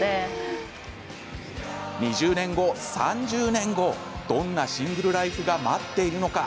２０年、３０年後、どんなシングルライフが待っているのか。